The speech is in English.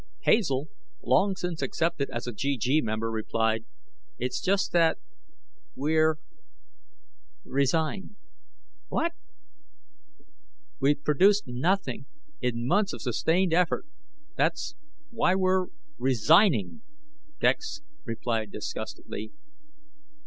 Hazel, long since accepted as a GG member, replied, "It's just that we're ... resigned." "What?" "We've produced nothing in months of sustained effort. That's why we're resigning," Dex replied disgustedly.